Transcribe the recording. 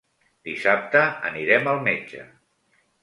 Dissabte anirem al metge.